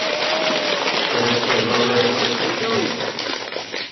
As a collaborative effort.